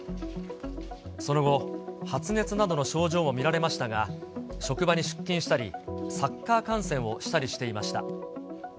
その後、発熱などの症状も見られましたが、職場に出勤したり、サッカー観戦をしたりしていました。